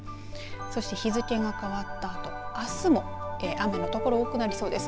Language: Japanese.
そして日付が変わったあとあすも雨のところ多くなりそうです。